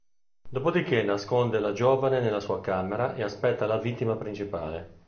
Dopodiché nasconde la giovane nella sua camera e aspetta la vittima principale.